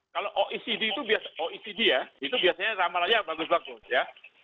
kalau oecd itu biasanya sama aja bagus bagus ya